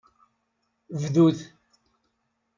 Bdut.